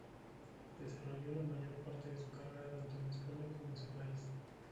Desarrolló la mayor parte de su carrera tanto en España como en su país.